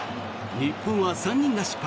日本は３人が失敗。